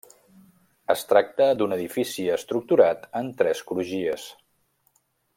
Es tracta d'un edifici estructurat en tres crugies.